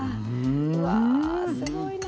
うわすごいな。